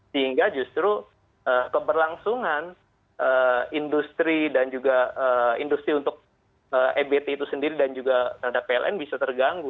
sehingga justru keberlangsungan industri dan juga industri untuk ebt itu sendiri dan juga terhadap pln bisa terganggu